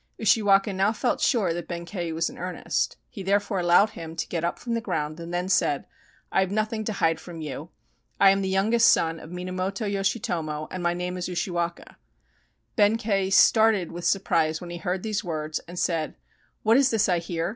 Ushiwaka now felt sure that Benkei was in earnest. He therefore allowed him to get up from the ground, and then said: "I have nothing to hide from you. I am the youngest son of Minamoto Ycshitomo and my name is Ushiwaka." Benkei started with surprise when he heard these words and said: "What is this I hear?